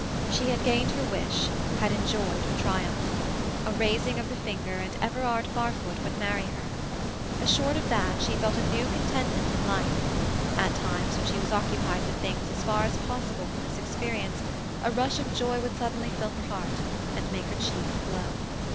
She had gained her wish, had enjoyed her triumph. A raising of the finger and Everard Barfoot would marry her. Assured of that, she felt a new contentment in life; at times when she was occupied with things as far as possible from this experience, a rush of joy would suddenly fill her heart, and make her cheek glow.